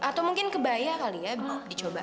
atau mungkin kebaya kali ya dicoba